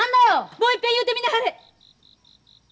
もう一遍言うてみなはれ！